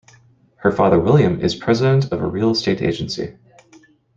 Her father William is president of a real estate agency.